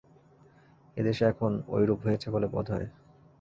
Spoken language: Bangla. এদেশে এখন ঐরূপ হয়েছে বলে বোধ হয়।